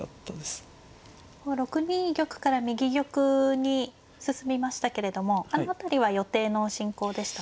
６二玉から右玉に進みましたけれどもあの辺りは予定の進行でしたか。